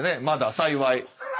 まだ幸い。